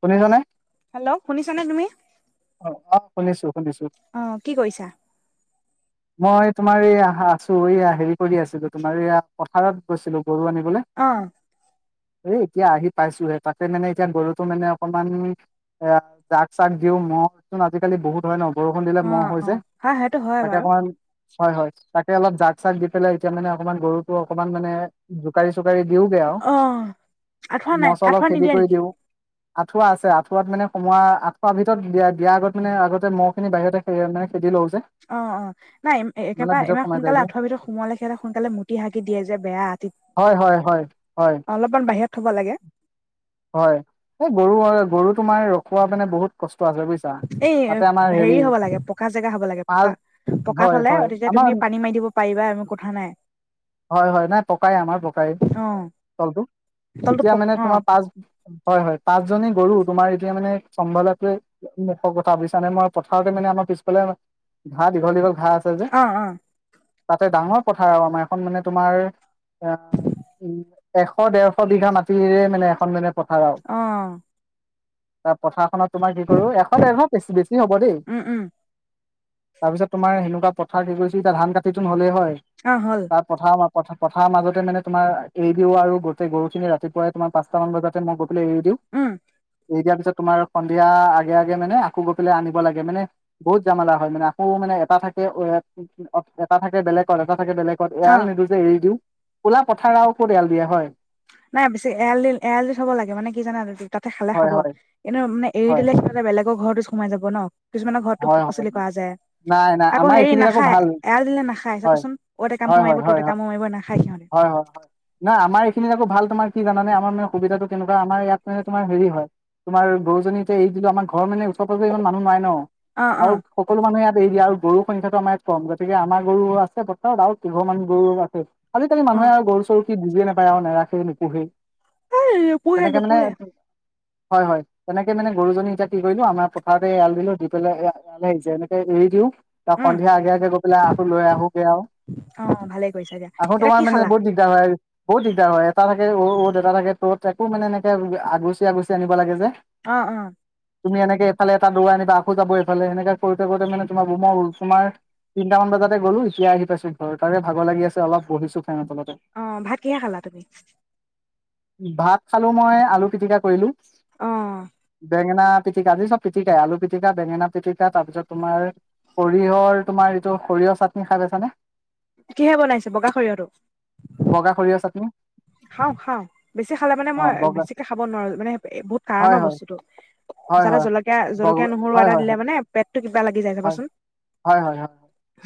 শুনিছনে। হেল্ল' শুনিছানে তুমি? অ অ শুনিছো। শুনিছো। অ কি কৰিছা? মই তোমাৰ এইয়া আছো এইয়া হেৰি কৰি আছিলো তোমাৰ এইয়া পথাৰত গৈছিলো। গৰু আনিবলৈ। অ' এই এতিয়া আহি পাইছোহে তাতে মানে এতিয়া গৰুটো মানে অকমান এ জাক চাগ দিও ম'হ। ম'হ আজিকালি বহুত হয় নহ। বৰষুণ দিলে ম'হ অ' হৈ অ' যে হয় সেইটো হয় তাকে বাৰু। অকণমান হয় হয় তাকে অলপ জাক চাগ দি পেলাই এতিয়া মানে অকমান গৰুটো অকমান মানে জোকাৰি চোকাৰি দিওঁগে আৰু অ' আঁঠুৱা নাই ম'হ চহ অলপ আঁঠুৱা খেদি নিদিয়ে কৰি নেকি? দিওঁ। আঠুৱা আছে আঁঠুৱাৰ মানে সোমোৱা আঁঠুৱাৰ ভিতৰত দিয়াই দিয়াৰ আগত মানে আগতে মহ খিনি বাহিৰতে মে খেদি লও। যে অ অ নাই নহ'লে একেবাৰে ভিতৰত ইমান সোমাই যায়গে। সোনকালে আঠুৱা ভিতৰত সোমোৱালে সিহতে সোনকালে মুতি হাগি দিয়ে যে বেয়া অতি হয় হয় হয় হয় অলপমান বাহিৰত থ'ব লাগে। হয় এই গৰু গৰু তোমাৰ ৰখোৱা মানে বহুত কষ্ট আছে। বুজিছা এই তাতে আমাৰ হেৰি হ'ব লাগে পকা জেগা হ'ব লাগে পাঁচ পকাত হয় হ'লে হয় তেতিয়া আমাৰ তুমি পানী মাৰি দিব। পাৰিবা একো কথা নাই। হয় হয় নাই পকাই আমাৰ পকাই অ' তলটো তলটো এতিয়া পক মানে অ' তোমাৰ পাচ হয় হয়। পাঁচজনী গৰু তোমাৰ এতিয়া মানে চম্ভলাটো মুখৰ কথা বুজিছা নে মই পথাৰতে মানে আমাৰ পিছফালে ঘা দীঘল দীঘল। ঘা আছে যে অ' অ' তাতে ডাঙৰ পথাৰ আৰু আমাৰ এখন মানে তোমাৰ অ উ এশ দেৰশ বিঘা মাটিৰে মানে এখন মানে। পথাৰ আৰু অহ। তাৰ পথাৰখনত তোমাৰ কি কৰো এশ ডেৰশ বেছি বেছি হ'ব দেই। উম উম তাৰ পিছত তোমাৰ এনেকুৱা পথাৰ কি কৰিছে এতিয়া ধান কাটি তো নহ'লেই হয়। অহ হ'ল। [unintelligible] পথৰ মাজতে মানে তোমাৰ এৰিদিও আৰু গোটেই গৰুখিনি ৰাতিপুৱাই তোমাৰ পাঁচটা মান বজা মই হলে এৰিদিও। উম এৰি দিয়াৰ পিছত তোমাৰ সন্ধিয়া আগে আগে মানে আকৌ গৈ পেলাই আনিব লাগে। মানে বহুত জামেলা হয়। আকৌ মানে এটা থাকে এ, এটা থাকে বেলেগত, এটা থাকে বেলেগ কত অ' এৰাল নিদিওঁ যে এৰি দিওঁ। কোলা পথাৰআয়ো কত এয়াল দিয়া হয়। নাই বেছি এৰাল দি এৰাল দি থ'ব লাগে মানে কি জানা, তাতে খালে হয় খাব। হয় কিন্তু মানে এৰি হয় দিলে সিহঁতে বেলেগ আকৌ ঘৰতোত সোমাই যাব ন। কিছুমানৰ ঘৰতটো হয় শাক হয় পাচলি কৰা নাই নাই যায় আকৌ আমাৰ হেৰি এইখিনিত আকৌ নাখায়। ভাল এৰাল দিলে নাখায়। হয় চাবাচোন, অত কামোৰ হয় মাৰিব, হয় হয় তত হয় কামোৰ মাৰিব, নাখায় হয় হয় হয় সিহঁতে। নাই আমাৰ এইখিনিত আকৌ ভাল তোমাৰ কি জানানে, আমাৰমে অসুবিধাটো কেনেকুৱা? আমাৰ ইয়াত মানে তোমাৰ হেৰি হয়, তোমাৰ গৰুজনী যে এৰি দিলোঁ। আমাৰ ঘৰ মানে ওচৰ পাজৰৰ ইমান মানুহ নাই ন। অ অ আৰু সকলো মানুহে ইয়াত এৰি আৰু গৰুৰ সংখ্যাটো আম ইাত কম গতিকে আমাৰ গৰুও আছে বতৰত আৰু কেইঘৰমান গৰুও আছে। আজি কালি অ মানুহে আৰু গৰু চৰু সি বুজিয়ে নাপায় আৰু নেৰাখে নুপূহেই। অ' নুপূহে নুপুহে। হয় হয় তেনেকে মানে গৰুজনী এতিয়া কি কৰিলো আমাৰ পথাৰতে এৰাল দিলো পেলাই [unintelligible] এইয়ালে আহিছে অনেকে এৰিদিও। ত' উম সন্ধিয়া আগে আগে গৈ পেলাই আকৌ লৈ আহোঁগৈ আৰু। অ ভালে কৰিছা দিয়া আকৌ এতিয়া তোমাৰ কি মানে খালা বহুত দিগদাৰ হয়, বহুত দিগদাৰ হয়। এটা থাকে এ অ-অদ এটা থাকে ত'ত একো মানে এনেকে আগুচি আগুচি আনিব লাগে যে। অ', অ। তুমি এনেকেফালে এটা দৰ আনিবা কো যাব এইফালে এনেকৈ কৰোঁতে কৰোঁতে মানে তোমাৰ [unintelligible] তিনটা মান বাজি গলো এতিয়া আহি পাইছোঁ ঘৰ। তাৰে ভাগৰ লাগি আছে, অলপ বহিছোঁ। অ', ভাত কিহে খালা তুমি? ভাত খালো মই আলু পিতিকা কৰিলো। অ বেঙেনা পিটিকা আজি চব পিটিকা আলু পি পিটিকা বেঙেনা পিটিকা তাৰ পিছত তোমাৰ সৰিয়হৰ তোমাৰ এইটো সৰিয়হ চাটনি খাই বাইছানে? কিহে বনাইছে বগা সৰিয়হটো? বগা সৰিয়হ চাটনি খাও খাও বেছি খালে মানে অ' মই বগা বেছিকে খাব নোৱাৰো মানে বহুত কাৰা ন হয় হয় বস্তুতটো, হয় যাতে হয় জলকীয়া হয় জলকীয়া নহ মোৰ হয় হয় আদা হয় হয় দিলে মানে পেট হয় হয় হয় হয়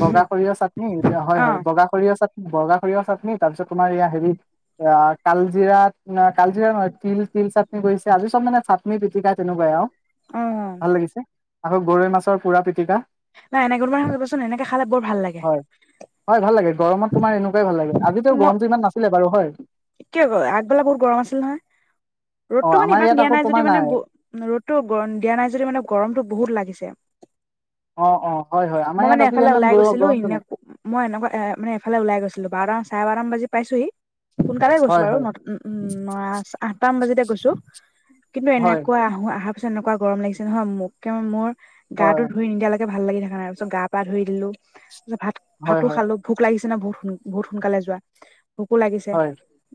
বগা সৰিয়হ চাটনিতিয়া হয় অ হয় বগা সৰিয়হ চাটনি বগা সৰিয়হ চাটনি তাৰ পিছত তোমাৰ হেৰি কালজিৰা কালজিৰা নহয় তিল তিল চাটনি কৰিছে আজি চব মানে চাটনি পিটিকা তেনেকুৱাই আৰু অ ভাল লাগিছে আকৌ গৰৈ মাছৰ পুৰা পিটিকা টিকা নাই এনেক তোমাৰ খাবচোন এনেকে খালে বৰ ভাল লাগে হয় হয় ভাল লাগে গৰমত তোমাৰ এনেকুৱাই ভালাগে আজিতো গৰমটো ইমান নাছিলে বাৰু হয় এক আগবেলা বহুত গৰম আছিল নহয় অ ৰ'দতটো মানে আমাৰ ইমান ইয়াত দিয়া আকৌ নাই তোমাৰ যদিও মানে ৰ'দতটো দিয়া নাই যদি মানে গৰমতটো বহুত লাগিছে অ অ হয় হয় আমাৰ মই ইয়াত মানে আজি এফালে ইমান ওলাই গৰ গৈছিলো গৰমটো এনে নাই মই এনেকুৱা এ মানে এফালে ওলাই গৈছিলো বাৰ চাৰে বাৰমান বাজি পাইছোহি সোনকালে গৈছো হয় বাৰু হয় ন উম ন আঠটা মান বাজিতে গৈছো কিন্তু হয় এনেকুৱা আহো আহা তত এনেকুৱা গৰম লাগিছে নহয় মোক মোৰ গাটো হয় ধুই নিদিয়া লাগে ভাল লাগি থাকা নাই তাপাচত [unintelligible] গা পা ধুই দিলো ভাত হয় ভাতো হয় খালো ভোক লাগিছে ি বহুত বহুত সোনকালে যোৱা ভোকো লাগিছে হয়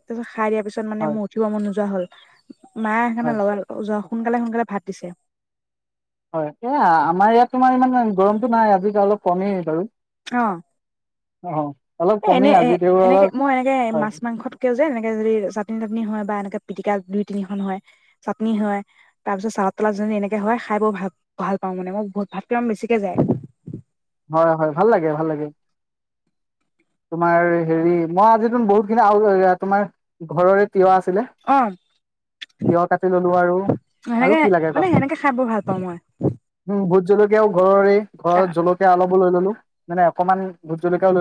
তাৰপিছত খাই দিয়া পিছত মানে হয় মোৰ উঠিব মন নোযোৱা হ'ল [inaudible] মাহ সেইকাৰণে হয় লগাল য সোনকালে সোনকালে ভাত দিছে হয় এ আমাৰ ইয়াত তোমাৰ ইমান গৰমতটো নাই আজি এতিয়া অলপ কমেই বাৰু অ অ অলপ এ এনে কমেই এ আজি তেওঁ এনেকে অলপ মই এনেকে হয় মাছ মাংসত ক যে এনেকে যদি চাটনি তাটনি হয় বা এনেকে পিটিকা দুই তিনিখন হয় চাটনি হয় তাৰ পিছত চালাদ তালাদ যদি এনেকে হয় খাই বৰ ভাল ভাল পাওঁ মানে মই বহুত ভাতকে বেছিকে যায় হয় হয় ভাল লাগে ভাল লাগে তোমাৰ হেৰি মই আজ তুম বহুতখিনি তোমাৰ ঘৰৰে তিয় আছিলে অ তিয়হ কাটি ললো আৰু আৰু সেনেকে কি লাগে মানে কোৱাচোন সেনেকে খাই বৰ ভাল পাওঁ মই উ বহুত কেতিৱাও ঘৰৰে ঘৰত জলত মানে অকমান ভূট জলকীয়া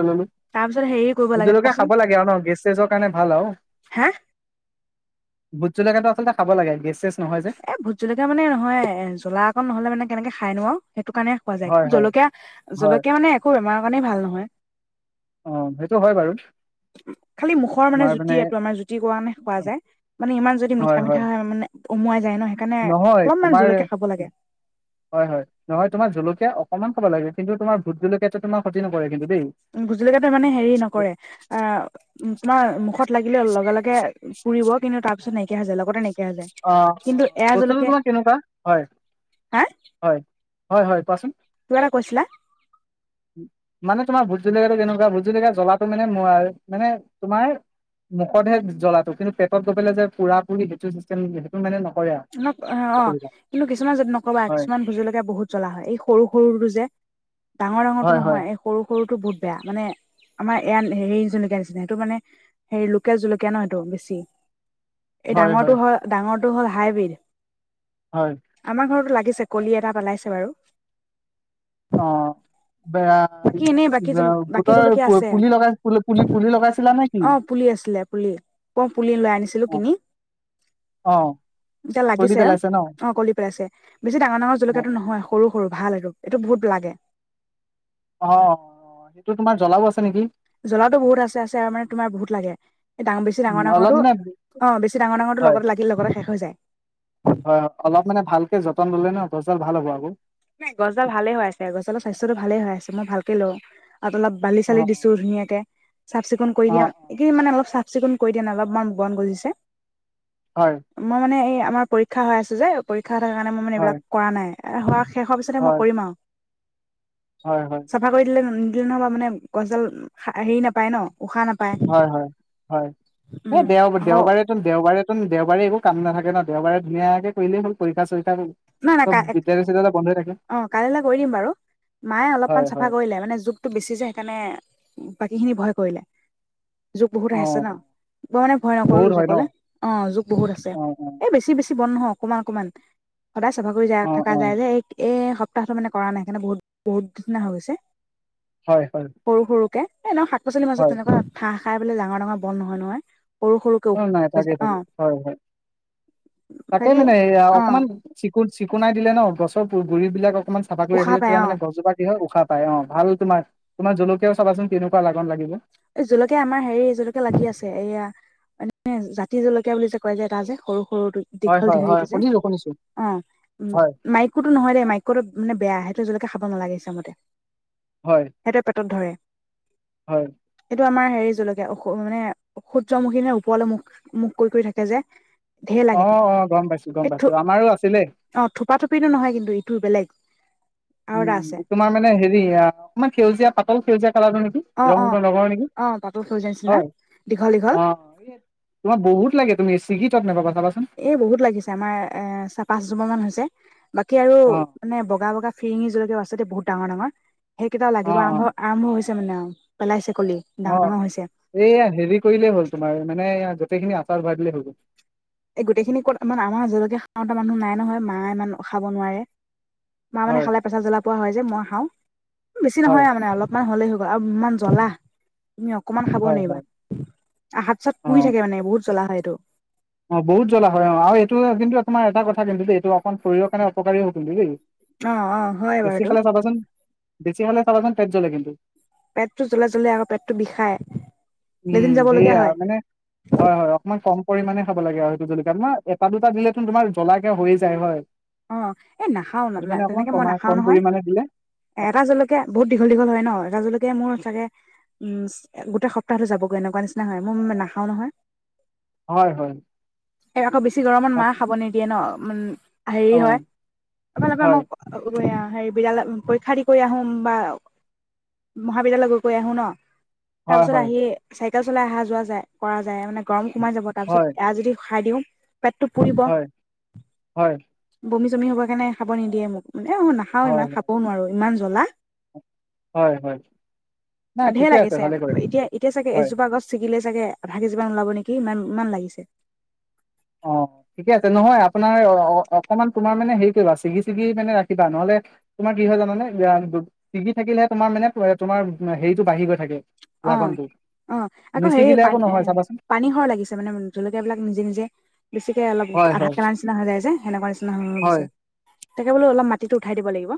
তাৰ পিছত হেৰি কৰিব লাগে ভূদলকীয়া কোৱাচোন খাব লাগে আৰু ন গেষ্ট চেছৰ কাৰণে ভাল আৰু হা ভুট জলকাটো [unintelligible] আচলতে খাব লাগে গে এ', ভোট জলকীয়া মানে নহয় এ', জ্বলা অকণ নহলে মানে কেনেকে খাই নো আৰু সেইটো কাৰণে খোৱা হয় যায় হয় জলকীয়া- হয় -জলকীয়া মানে একো বেমাৰ, মানে ভাল নহয়। অ', সেইটো হয় বাৰু। খালি মুখৰ মানে জুতি এইটো আমাৰ জুতিৰ কৰাণে খোৱা যায়, মানে ইমান যদি মিঠা -মিঠা হয় মানে উম ', মই, নহয় তোমাৰ হয়- হয় -নহয় তোমাৰ জলকীয়া অক, অণমান খাব লাগে কিন্তু তোমাৰ ভোট জলকীয়াতো তোমাৰ ক্ষতি নকৰে। কিন্তু দেই। ভোটজলকিয়াতো মানে হেৰি নকৰে আহ', তোমাৰ মুখত লাগিলে লগে- লগে, পুৰিব কিন্তু তাৰপিছত নাইকিয়া হৈ যায় লগতে নাই, অ', বস্তুটো তোমাৰ কেনেকুৱা হয়', হা -হয় ', -হয়', হয়, কোৱাচোন কিবা এটা কৈছিলা মানে তোমাৰ বুজি, ভোটজলকীয়াতো কেনেকুৱা ভুট জলকীয়া জ্বলাটো মানে ম, তুমাৰ মুখতহে জ্বলাটো কিন্তু পেটত গৈ পেলাই যে পুৰা -পুৰি সেইটো চিষ্টে, [unintelligible] অ', অসুবিধা কিন্তু কিছুমান যদি নকবা হয় কিছুমান ভুটজলকীয়া বহুত জ্বলা হয় এই সৰু -সৰুটো যে, ডাঙৰ- ডাঙৰটো হয় হয় নহয়, এই সৰু - সৰু, সেতু বহুত বেয়া মানে আমাৰ এয়া হেৰি জলকীয়া নিচিনা সেইটো মানে হেৰি লোকেল জলকীয়া ন', সেইটো বেছি এই ডাঙৰটো হয় ডাঙৰ হয়। হাইব্ৰিড। হয় আমাৰ ঘৰতো লাগ, দিছে কলি এটা পেলাইছে বাৰু। অহ ', বাকী এনেই বাকী, বাকী জলকীয়া আছে পুলি লগাই পুলি পুলি লগাইছিলা নে কি অ', পুলি আছিলে পুলি প পুলি লৈ আনিছিলো অ কিনি। অ এতিয়া কলি লাগিছে পেলাইছে ন অ', কলি পেলাইছে বেছি ডাঙৰ -ডাঙৰ অ জলকীয়াটো নহয় সৰু- -সৰু ভাল আৰু। এইটো বহুত লাগে। অ', সেইটো তোমাৰ জ্বলাও আছে নেকি? জ্বলাটো বহুত আছে- আছে আৰু মানে তোমাৰ বহুত লাগে ডাঙৰ বেছি উম ডাঙৰ- অলপ -ডাঙৰটো মানে অ ', বেছি ডাঙৰ -ডাঙৰটো হয় লগত লাগিল লগতে শেষ হৈ যায়। হয় হয় অলপ মানে ভালকে যতন ললে ন গছডাল ভাল হব আকৌ। নাই গছডাল ভালে হৈ আছে গছডালৰ স্বাস্থ্যয়টো ভালে হৈ আছে মই ভালকে লওঁ। তাত অলপ বালি- অ চালি দিছো ধুনীয়াকে। চাফ- চিকুণ কৰি অ অ দিওঁ এক মানে অলপ চা, চাফ -চিকুণ কৰি দিয়া নাই অলপমান বন গজিছে। হয় মই মানে এইয়া, আমাৰ পৰীক্ষা হৈ আছে যে, শিক্ষা থাকাৰ কাৰণে মই মে এইবিলাক হয় কৰা নাই। এ, হোৱা খিনি, শেষ হোৱা পিছতে মই হয় কৰিম আৰু। হয় হয় চাফা কৰি দিলে নহ'বা মানে গছডাল হেৰি নাপায় ন। উশাহ নাপায় হয় হয়- হয়, এই উম দেও আকৌ দেওবাৰেতোন- দেওবাৰেতোন দেওবাৰে একো কাম নাথাকে ন। দেওবাৰে ধুনীয়াকে কৰিলে হ'ল, পৰীক্ষ্যা চ নাই নাই কা এ থাকে অ' কাইলেলে কৰি দিম বাৰু মায়ে অলপমান হয় চাফা হয় কৰিলে মানে জুখটো বেছি যে সেইকাৰণে বাকী খিনি ভয় কৰিলে। যুক বহুত অ আহিছে ন, মই মানে ভয় নকৰো বহুত হয় ন যুকলে, অঁ যোক বহুত আছে, অ অ এই বেছি বেছি বন্দ নহওঁ অকমান অকমান। সদায় চাফা কৰি যায় অ থকা অ যায় যে, এই এ তাৰপাছত মানে কৰা নাই, সিহতৰ বহুত বহুত [unintelligible] হৈ গৈছে, হয় হয় সৰু সৰুকে। এনেও শাক পচলি মাজত হয় তেনেকোৱা [unintelligible] খাই পেলাই ডাঙৰ-ডাঙৰ বন্ধ নহয়- নহয়। সৰু সৰুকে অঁ নাই হৈ তাকে- যায় অ তাকে হয় হয়, তাকে বাকী মানে এই আ অ অকমান চিকুণ চিকুণাই দিলে ন গছৰ গুৰি বিলাকক অকমান চাফা কৰি উশাহ ৰাখিলে পাই তেতিয়া অ মানে গছজোপা কি হয় উশাহ পায় অঁ ভাল তোমাৰ তোমাৰ জলকীয়াও চাবাচোন কেনেকুৱা লাগন লাগিব। এই জলকীয়া আমাৰ হেৰি জলকীয়া লাগি আছে এয়া মানে জাতি জলকীয়া বুলি যে কয় যে এটা যে সৰু সৰুটো হয় দীঘল হয় হয় দীঘলটো যে, শুনিছো শুনিছো অঁ উম হয়। মাইক'তো নহয় দেই মাইক' টো মানে বেয়া আহে। সেইটো জলকীয়া খাব নালাগে [unintelligible] মতে। হয় সেইটোৱে পেটত ধৰে। হয়। সেইটো আমাৰ হেৰি জলকীয়া অঁ মানে সূৰ্যমুখী নে ওপৰলৈ মুখ মুখ কৰি- কৰি থাকে যে ঢেৰ অ লাগে, অ গম পাইছো গম এই পাইছো থো আমাৰো আছিলে। অ' থোপা থোপি টো নহয় কিন্তু ইটো বেলেগ। আৰু এটা আছে উম তোমাৰ মানে হেৰি অকমান সেউজীয়া পাতল সেউজীয়া কালাৰটো নেকি, অ অ ৰংটো [unintelligible] নেকি অ পাতল সেউজীয়া নিচিনা হয় দীঘল দীঘল অ', তোমাৰ বহুত লাগে। তুমি [unintelligible] তাত নাযাবা। এ বহুত লাগিছে আমাৰ এ চাহ পাঁচ জোপা মান হৈছে। বাকী আৰু অ মানে বগা বগা ফিৰিঙি জলকীয়াও আছে দে বহুত ডাঙৰ-ডাঙৰ। সেইকেইটাও অ লাগিব অ আৰম্ভ, আৰম্ভ হৈছে। [unintelligible] ডাঙৰ অ', ডাঙৰ হৈছে এইয়া হেৰি কৰিলেই হ'ল তোমাৰ মানে এয়া সেইখিনি আচাৰত ভৰাই দিলে হ'ব। এই গোটেইখিনি ক'ত আমাৰ হাজলৈকে খাওঁতা মানুহ নাই নহয় মা ইমান খাব নোৱাৰে। মা মানে হয় খালে পেছাব জ্বলা পোৰা হয় যে মই খাওঁ, বেছি হয় নহয় মানে অলপমান হ'লেই। অ' আৰু ইমান জলা। তুমি অকমান খাব হয় হয়। নোৱাৰিবা, হাত চাত পুৰি থাকে মানে বহুত জ্বলা হয়। [unintelligible] অ'বহুত জ্বলা হয় অ' আৰু এইটো কিন্তু আপোনাৰ এটা কথা কিন্তু দেই এইটো অকণ শৰীৰৰ কাৰণে অপকাৰী হ'ব কিন্তু দেই। অ', অ', হয় বাৰু বেছি এইটো। খালে চাবাচোন বেছি হ'লে চাবাচোন পেট জ্বলে কিন্তু। পেটটো জ্বলে জ্বলেই আকৌ পেটটো বিষাই। উম্, লেট্ৰিন যাব লগীয়া সেয়া হয় মানে হয়, হয় অকমান কম। পৰিমাণে খাব লাগে অ'সেইটো জলকীয়াটো এটা দুটা দিলেতো তোমাৰ জ্বলাকে হৈয়ে যায় হয়। অ', এই নাখাও ন সেইটো কাৰণে অকণমান তেনেকে মই কমাই নাখাও কম নহয় পৰিমাণে দিলে এ হয়, এটা জলকীয়া বহুত দীঘল দীঘল হয় ন এটা জলকীয়া। মোৰ চাগে উম্ গোটেই সপ্তাহটো যাবগৈ এনেকুৱা নিচিনা হয় মই ইমান নাখাও নহয়। হয়, হয়। এ আকৌ বেছি গৰমত মায়ে বাকী খাব নিদিয়ে ন। [unintelligible] হেৰি হয়, অ', হয়, [unintelligible] হেৰি বিদ্যালয় পৰীক্ষা দি কৰি আহো বা মহাবিদ্যালয় গৈ কৰি আহো ন। হয়, তাৰপিছত হয়। আহি চাই চাইকেল চলাই অহা যোৱা যায়। কৰা যায় মানে, গৰম সোমাই যাব তাৰপিছত হয়, এয়া যদি খাই দিওঁ। পেটটো পুৰিব। হয়, হয়, হয়, বমি চমি হ'বৰ কাৰণে খাব নিদিয়ে মোক। মানে মই নাখাও হয়, ইমান খাবও নোৱাৰো। ইমান জ্বলা। হয়, হয় নাই অ'ঢেৰ ঠিকে আছে লাগিছে ভালে কৰে এতিয়া, এতিয়া চাগে হয়। এজোপা গছ ছিগিলে। চাগে ভাগি যিমান ওলাব নেকি ইমান ইমান লাগিছে। অ', িকে আছে নহয় আপোনাৰ অ' অকমান তোমাৰ মানে হেৰি কৰিবা ছিগি ছিগি মানে ৰাখিবা নহ'লে তোমাৰ কি হয় জানানে ছিগি থাকিলেহে তোমাৰ মানে তোমাৰ হেৰিটো বাঢ়ি গৈ থাকে। লাগনটো অ' অ' আকৌ হেৰি নিচিগিলে পানী নহয় চাবাচোন পানী সৰ লাগিছে মানে জলকীয়াবিলাক নিজে নিজে। বেছিকে অলপ হয় আধা হয় কেটাৰ নিচিনা হৈ যায় যে সেনেকুৱা নিচিনা হৈ হয়। গৈছে। তাকে বোলো অলপ মা ইটো উঠাই দিব লাগিব।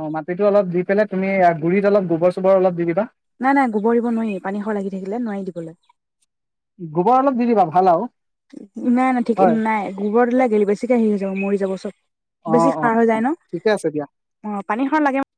অ মাটিতো অলপ দি পেললে তুমি গুৰিত অলপ গোবৰ চোবৰ অলপ দি দিবা। নাই - নাই গোবৰ দিব নোৱাৰি পানীখ লাগি থাকিলে নোৱাৰি গোবৰ অলপ দি দিবা ভাল আৰু দিবলৈ। নাই - নাই ঠিক হয় নাই গোবৰ দিলে গেল বেছিকে হেৰি হৈ যাব মৰি যাব চব অ বেছি অ সাৰ হৈ অ যায় ন ঠিকে আছে দিয়া অহ ', পানী সাৰ লাগে।